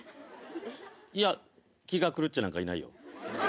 いや気が狂っちゃなんかいないよ。